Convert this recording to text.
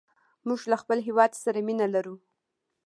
موږ له خپل هېواد سره مینه لرو.